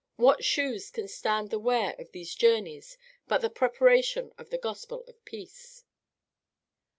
What shoes can stand the wear of these journeys but the preparation of the gospel of peace?"